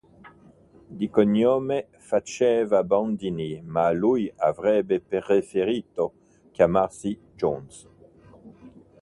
Di cognome faceva Bandini ma lui avrebbe preferito chiamarsi Jones.